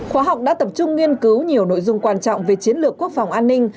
khóa học đã tập trung nghiên cứu nhiều nội dung quan trọng về chiến lược quốc phòng an ninh